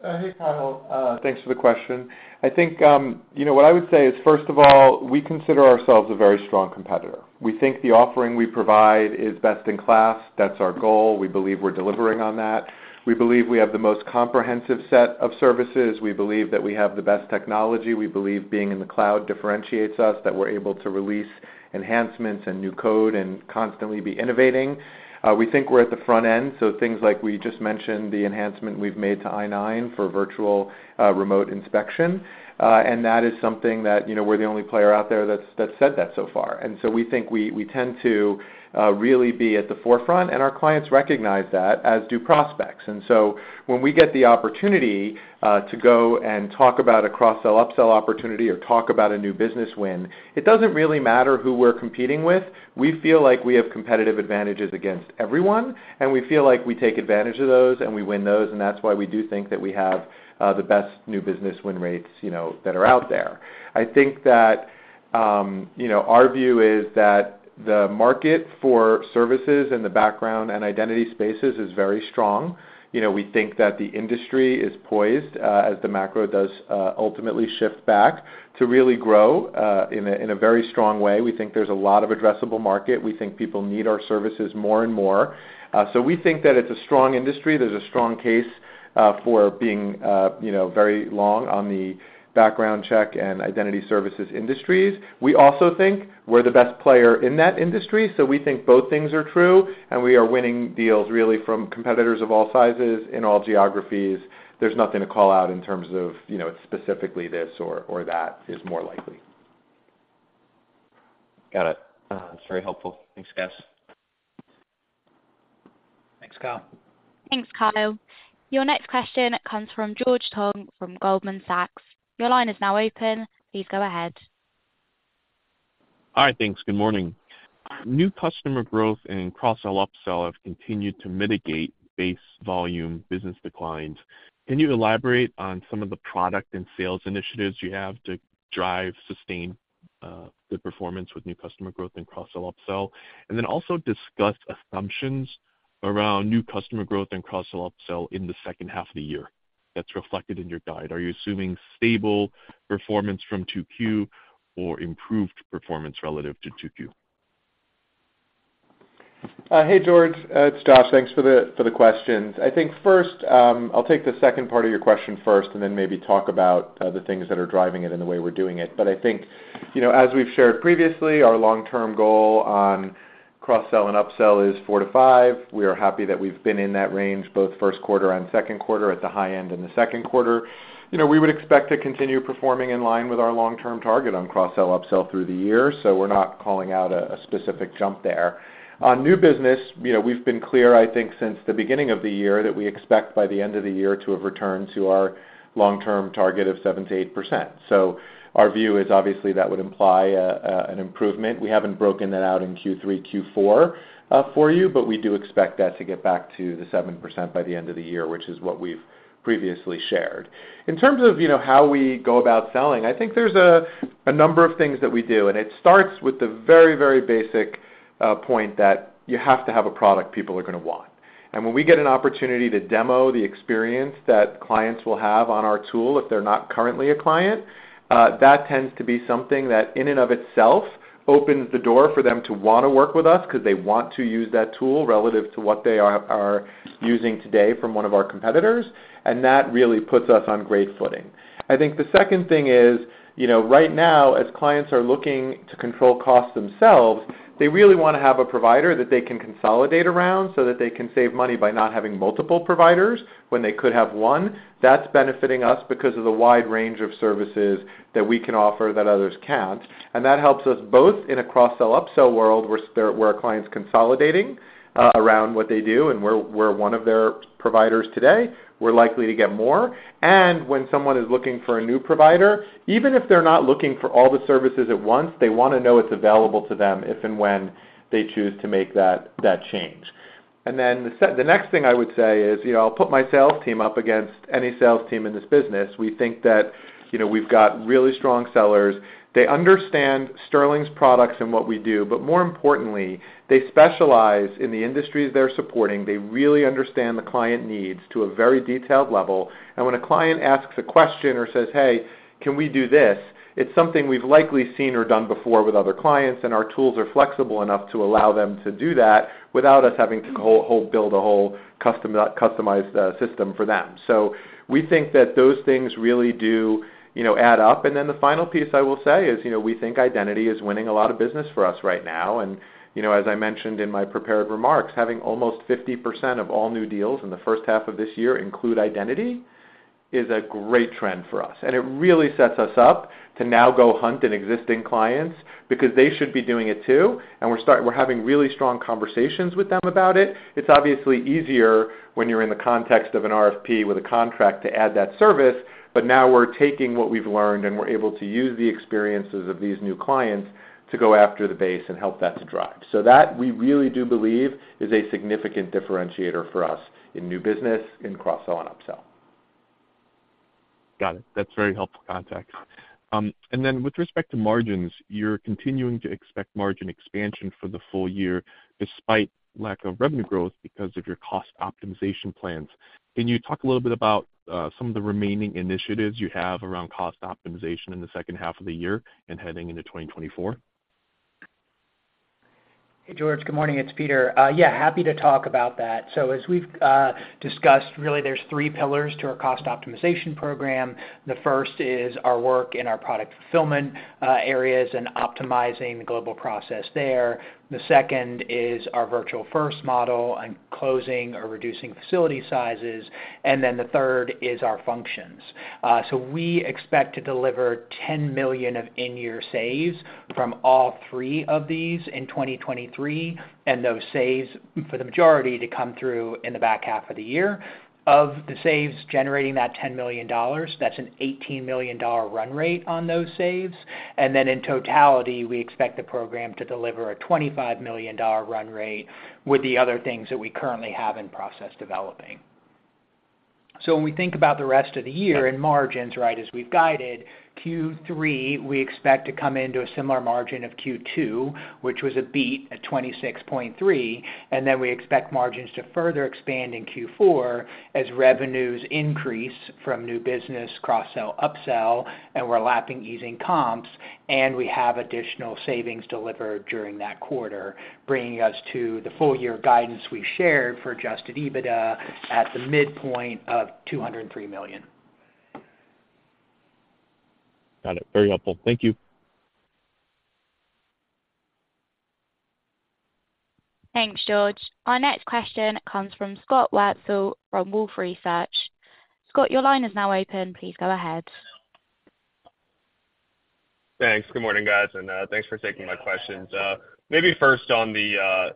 Speaker 3: Hey, Kyle, thanks for the question. I think, you know, what I would say is, first of all, we consider ourselves a very strong competitor. We think the offering we provide is best-in-class. That's our goal. We believe we're delivering on that. We believe we have the most comprehensive set of services. We believe that we have the best technology. We believe being in the cloud differentiates us, that we're able to release enhancements and new code and constantly be innovating. We think we're at the front end, so things like we just mentioned, the enhancement we've made to I-9 for virtual, remote inspection. That is something that, you know, we're the only player out there that's, that's said that so far. We think we, we tend to really be at the forefront, and our clients recognize that, as do prospects. When we get the opportunity to go and talk about a cross-sell, upsell opportunity or talk about a new business win, it doesn't really matter who we're competing with. We feel like we have competitive advantages against everyone, and we feel like we take advantage of those, and we win those, and that's why we do think that we have the best new business win rates, you know, that are out there. I think that, you know, our view is that the market for services in the background and identity spaces is very strong. You know, we think that the industry is poised, as the macro does, ultimately shift back, to really grow in a very strong way. We think there's a lot of addressable market. We think people need our services more and more. We think that it's a strong industry. There's a strong case, you know, for being very long on the background check and identity services industries. We also think we're the best player in that industry, so we think both things are true, and we are winning deals really from competitors of all sizes in all geographies. There's nothing to call out in terms of, you know, specifically this or that is more likely.
Speaker 8: Got it. It's very helpful. Thanks, guys.
Speaker 4: Thanks, Kyle.
Speaker 1: Thanks, Kyle. Your next question comes from George Tong from Goldman Sachs. Your line is now open. Please go ahead.
Speaker 9: Hi, thanks. Good morning. New customer growth and cross-sell, upsell have continued to mitigate base volume business declines. Can you elaborate on some of the product and sales initiatives you have to drive, sustain, the performance with new customer growth and cross-sell, upsell? Then also discuss assumptions around new customer growth and cross-sell, upsell in the second half of the year that's reflected in your guide. Are you assuming stable performance from 2Q or improved performance relative to 2Q?
Speaker 3: Hey, George, it's Josh. Thanks for the, for the questions. I think first, I'll take the second part of your question first and then maybe talk about the things that are driving it and the way we're doing it. I think, you know, as we've shared previously, our long-term goal on cross-sell and upsell is four-five. We are happy that we've been in that range, both Q1 and Q2 at the high end in Q2. You know, we would expect to continue performing in line with our long-term target on cross-sell, upsell through the year, so we're not calling out a, a specific jump there. On new business, you know, we've been clear, I think, since the beginning of the year, that we expect by the end of the year to have returned to our long-term target of 7%-8%. Our view is obviously that would imply an improvement. We haven't broken that out in Q3, Q4 for you, but we do expect that to get back to the 7% by the end of the year, which is what we've previously shared. In terms of, you know, how we go about selling, I think there's a number of things that we do, and it starts with the very, very basic point that you have to have a product people are gonna want. When we get an opportunity to demo the experience that clients will have on our tool, if they're not currently a client, that tends to be something that, in and of itself, opens the door for them to want to work with us 'cause they want to use that tool relative to what they are using today from one of our competitors. That really puts us on great footing. I think the second thing is, you know, right now, as clients are looking to control costs themselves, they really want to have a provider that they can consolidate around so that they can save money by not having multiple providers when they could have one. That's benefiting us because of the wide range of services that we can offer that others can't. That helps us both in a cross-sell, upsell world, where a client's consolidating around what they do and we're, we're one of their providers today, we're likely to get more. When someone is looking for a new provider, even if they're not looking for all the services at once, they want to know it's available to them, if and when they choose to make that, that change. The next thing I would say is, you know, I'll put my sales team up against any sales team in this business. We think that, you know, we've got really strong sellers. They understand Sterling's products and what we do, but more importantly, they specialize in the industries they're supporting. They really understand the client needs to a very detailed level. When a client asks a question or says, "Hey, can we do this?" It's something we've likely seen or done before with other clients, and our tools are flexible enough to allow them to do that without us having to build a whole customized system for them. We think that those things really do, you know, add up. The final piece I will say is, you know, we think identity is winning a lot of business for us right now. You know, as I mentioned in my prepared remarks, having almost 50% of all new deals in the first half of this year include identity, is a great trend for us. It really sets us up to now go hunt in existing clients because they should be doing it, too, and we're having really strong conversations with them about it. It's obviously easier when you're in the context of an RFP with a contract to add that service. Now we're taking what we've learned, and we're able to use the experiences of these new clients to go after the base and help that to drive. That, we really do believe, is a significant differentiator for us in new business, in cross-sell, and upsell.
Speaker 9: Got it. That's very helpful context. And then with respect to margins, you're continuing to expect margin expansion for the full year, despite lack of revenue growth because of your cost optimization plans. Can you talk a little bit about some of the remaining initiatives you have around cost optimization in the second half of the year and heading into 2024?
Speaker 4: Hey, George. Good morning, it's Peter. Yeah, happy to talk about that. As we've discussed, really there's three pillars to our cost optimization program. The first is our work in our product fulfillment areas and optimizing the global process there. The second is our virtual first model and closing or reducing facility sizes, and then the third is our functions. We expect to deliver $10 million of in-year saves from all three of these in 2023, and those saves for the majority to come through in the back half of the year. Of the saves generating that $10 million, that's an $18 million run rate on those saves. In totality, we expect the program to deliver a $25 million run rate with the other things that we currently have in process developing. When we think about the rest of the year in margins, right, as we've guided, Q3, we expect to come into a similar margin of Q2, which was a beat at 26.3%, and then we expect margins to further expand in Q4 as revenues increase from new business, cross-sell, upsell, and we're lapping easing comps, and we have additional savings delivered during that quarter, bringing us to the full year guidance we've shared for adjusted EBITDA at the midpoint of $203 million.
Speaker 9: Got it. Very helpful. Thank you.
Speaker 1: Thanks, George. Our next question comes from Scott Wurtzel from Wolfe Research. Scott, your line is now open. Please go ahead.
Speaker 10: Thanks. Good morning, guys. Thanks for taking my questions. Maybe first on the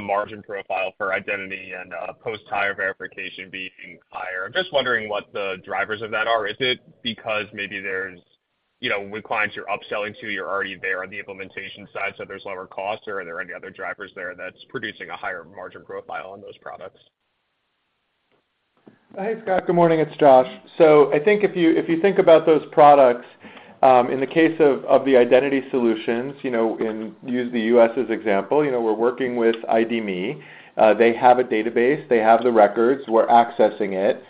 Speaker 10: margin profile for identity and post-hire verification being higher, I'm just wondering what the drivers of that are. Is it because maybe there's, you know, with clients you're upselling to, you're already there on the implementation side, so there's lower costs, or are there any other drivers there that's producing a higher margin growth file on those products?
Speaker 3: Hey, Scott. Good morning, it's Josh. I think if you, if you think about those products, in the case of, of the identity solutions, you know, use the U.S. as example, you know, we're working with ID.me. They have a database, they have the records, we're accessing it.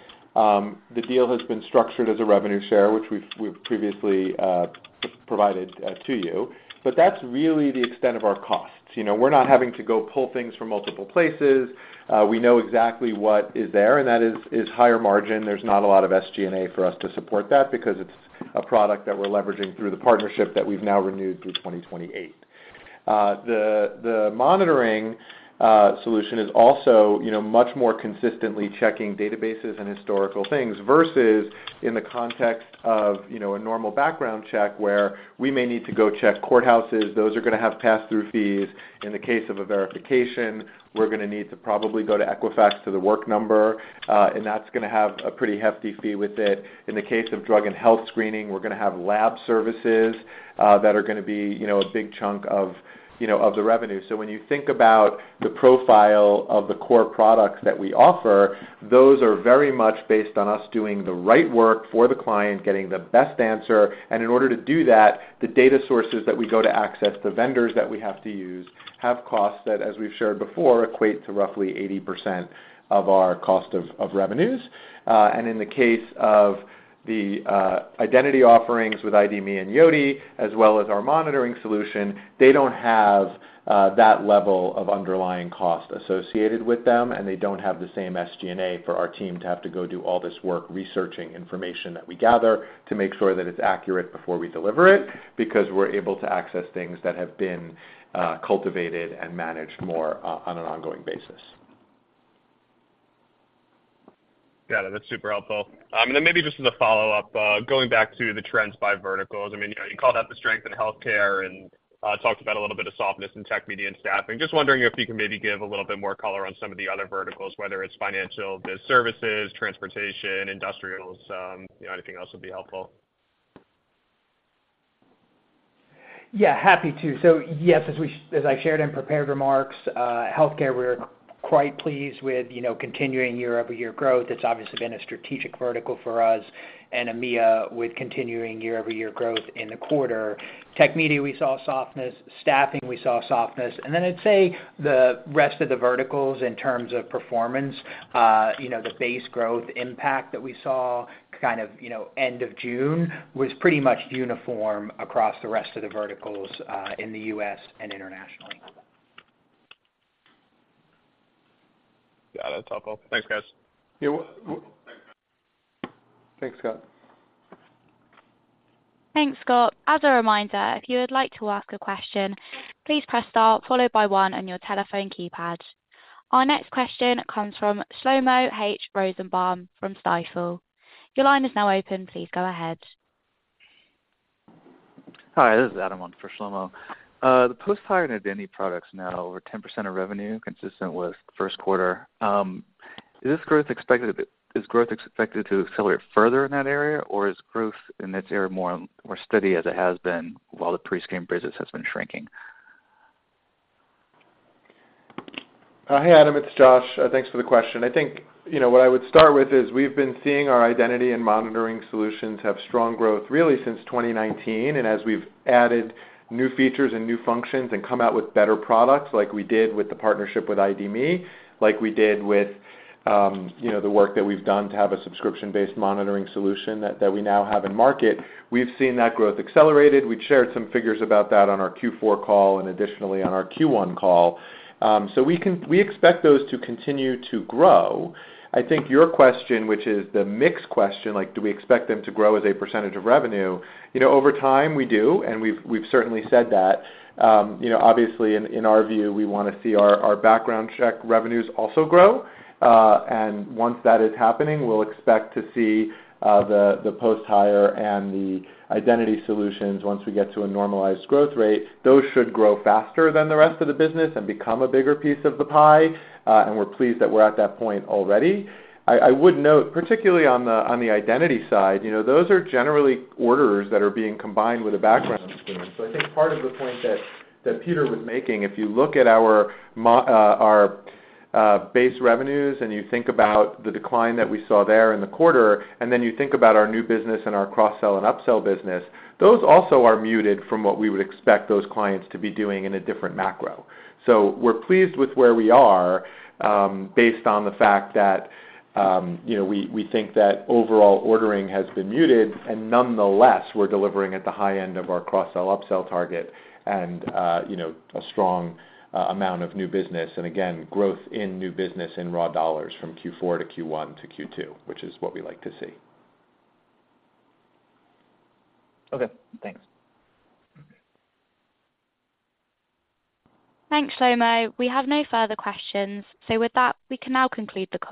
Speaker 3: The deal has been structured as a revenue share, which we've, we've previously provided to you. That's really the extent of our costs. You know, we're not having to go pull things from multiple places. We know exactly what is there, and that is, is higher margin. There's not a lot of SG&A for us to support that because it's a product that we're leveraging through the partnership that we've now renewed through 2028. The, the monitoring solution is also, you know, much more consistently checking databases and historical things versus in the context of, you know, a normal background check, where we may need to go check courthouses. Those are gonna have pass-through fees. In the case of a verification, we're gonna need to probably go to Equifax for The Work Number, and that's gonna have a pretty hefty fee with it. In the case of drug and health screening, we're gonna have lab services that are gonna be, you know, a big chunk of, you know, of the revenue. When you think about the profile of the core products that we offer, those are very much based on us doing the right work for the client, getting the best answer. In order to do that, the data sources that we go to access, the vendors that we have to use, have costs that, as we've shared before, equate to roughly 80% of our cost of, of revenues. In the case of the identity offerings with ID.me and Yoti, as well as our monitoring solution, they don't have that level of underlying cost associated with them, and they don't have the same SG&A for our team to have to go do all this work researching information that we gather to make sure that it's accurate before we deliver it, because we're able to access things that have been cultivated and managed more on an ongoing basis.
Speaker 10: Got it. That's super helpful. Then maybe just as a follow-up, going back to the trends by verticals. I mean, you know, you called out the strength in healthcare and talked about a little bit of softness in tech, media, and staffing. Just wondering if you can maybe give a little bit more color on some of the other verticals, whether it's financial services, transportation, industrials, you know, anything else would be helpful?
Speaker 4: Yeah, happy to. Yes, as we, as I shared in prepared remarks, healthcare, we're quite pleased with, you know, continuing year-over-year growth. It's obviously been a strategic vertical for us and EMEA, with continuing year-over-year growth in the quarter. Tech media, we saw softness. Staffing, we saw softness. Then I'd say the rest of the verticals in terms of performance, you know, the base growth impact that we saw kind of, you know, end of June, was pretty much uniform across the rest of the verticals, in the US and internationally.
Speaker 10: Got it. That's helpful. Thanks, guys.
Speaker 3: Yeah. Thanks, Scott.
Speaker 1: Thanks, Scott. As a reminder, if you would like to ask a question, please press star followed by one on your telephone keypad. Our next question comes from Shlomo H. Rosenbaum from Stifel. Your line is now open. Please go ahead.
Speaker 11: Hi, this is Adam on for Shlomo. The post-hire and identity products now over 10% of revenue, consistent with first quarter. Is growth expected to accelerate further in that area, or is growth in that area more, more steady as it has been while the prescreen business has been shrinking?
Speaker 3: Hi, Adam, it's Josh. Thanks for the question. I think, you know, what I would start with is, we've been seeing our identity and monitoring solutions have strong growth really since 2019, and as we've added new features and new functions and come out with better products, like we did with the partnership with ID.me, like we did with, you know, the work that we've done to have a subscription-based monitoring solution that, that we now have in market, we've seen that growth accelerated. We've shared some figures about that on our Q4 call and additionally on our Q1 call. We expect those to continue to grow. I think your question, which is the mix question, like, do we expect them to grow as a % of revenue? You know, over time, we do, and we've, we've certainly said that. You know, obviously in, in our view, we wanna see our, our background check revenues also grow. Once that is happening, we'll expect to see the, the post-hire and the identity solutions, once we get to a normalized growth rate, those should grow faster than the rest of the business and become a bigger piece of the pie, and we're pleased that we're at that point already. I, I would note, particularly on the, on the identity side, you know, those are generally orders that are being combined with a background screen. I think part of the point that, that Peter was making, if you look at our base revenues and you think about the decline that we saw there in the quarter, and then you think about our new business and our cross-sell and upsell business, those also are muted from what we would expect those clients to be doing in a different macro. We're pleased with where we are, based on the fact that, you know, we, we think that overall ordering has been muted, and nonetheless, we're delivering at the high end of our cross-sell, upsell target and, you know, a strong amount of new business, and again, growth in new business in raw dollars from Q4 to Q1 to Q2, which is what we like to see.
Speaker 11: Okay, thanks.
Speaker 1: Thanks, Shlomo. We have no further questions. With that, we can now conclude the call.